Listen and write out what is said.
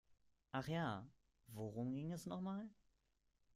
Ach ja, worum ging es noch mal?